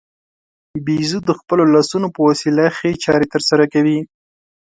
بیزو د خپلو لاسونو په وسیله ښې چارې ترسره کوي.